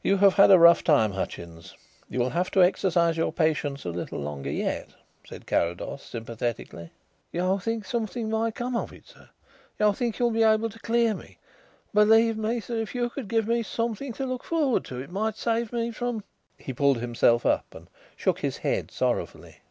"You have had a rough time, Hutchins; you will have to exercise your patience a little longer yet," said Carrados sympathetically. "You think something may come of it, sir? You think you will be able to clear me? Believe me, sir, if you could give me something to look forward to it might save me from " He pulled himself up and shook his head sorrowfully.